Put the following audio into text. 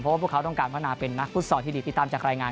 เพราะว่าพวกเขาต้องการพัฒนาเป็นนักฟุตซอลที่ดีติดตามจากรายงาน